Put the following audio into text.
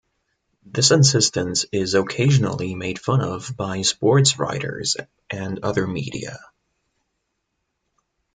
This insistence is occasionally made fun of by sportswriters and other media.